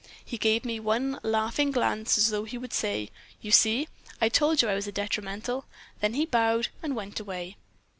He gave me one laughing glance, as though he would say, 'You see, I told you I was a detrimental,' then he bowed and went away.